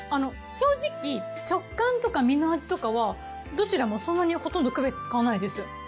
正直食感とか身の味とかはどちらもそんなにほとんど区別つかないです。